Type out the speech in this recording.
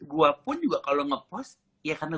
gue pun juga kalau ngepost ya karena